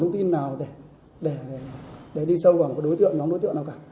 thông tin nào để đi sâu vào một đối tượng nhóm đối tượng nào cả